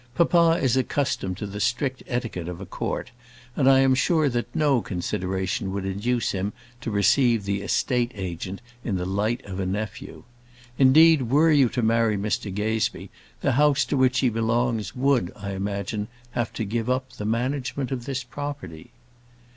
Papa is accustomed to the strict etiquette of a court, and I am sure that no consideration would induce him to receive the estate agent in the light of a nephew. Indeed, were you to marry Mr Gazebee, the house to which he belongs would, I imagine, have to give up the management of this property.